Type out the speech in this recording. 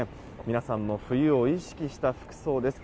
皆さん、冬を意識した服装です。